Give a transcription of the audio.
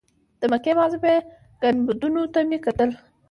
د مکې معظمې ګنبدونو ته مې کتل.